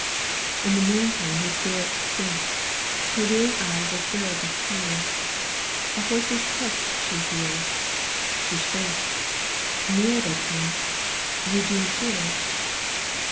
XL In the meaлtime her spirit sinks, Her weary eyes are filled with tears — A horse's hoofs she hears — She shrinks ! Nearer they come — Eugene appears